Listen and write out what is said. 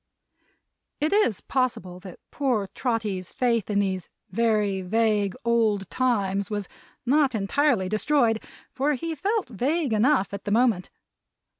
It is possible that poor Trotty's faith in these very vague Old Times was not entirely destroyed, for he felt vague enough, at that moment.